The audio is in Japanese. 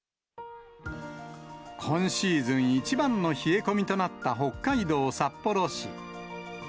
今シーズン一番の冷え込みとなった北海道札幌市。